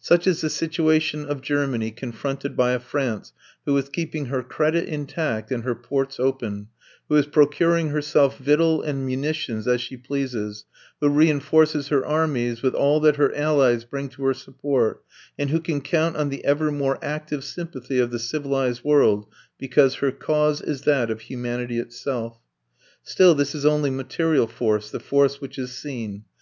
Such is the situation of Germany confronted by a France who is keeping her credit intact and her ports open, who is procuring herself victual and munitions as she pleases, who reinforces her armies with all that her allies bring to her support, and who can count on the ever more active sympathy of the civilized world because her cause is that of humanity itself. Still this is only material force, the force which is seen.